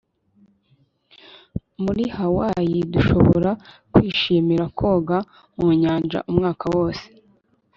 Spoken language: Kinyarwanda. muri hawaii, dushobora kwishimira koga mu nyanja umwaka wose